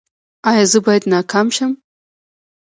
ایا زه باید ناکام شم؟